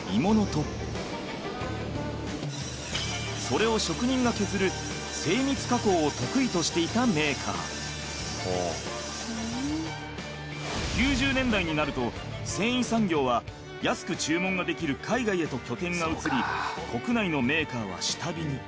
それを職人が削る９０年代になると繊維産業は安く注文ができる海外へと拠点が移り国内のメーカーは下火に。